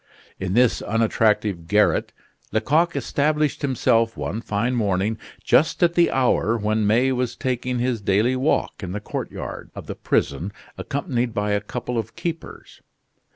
In this unattractive garret Lecoq established himself one fine morning, just at the hour when May was taking his daily walk in the courtyard of the prison accompanied by a couple of keepers.